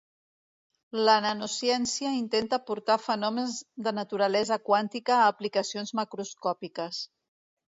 La nanociència intenta portar fenòmens de naturalesa quàntica a aplicacions macroscòpiques.